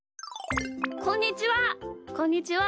こんにちは！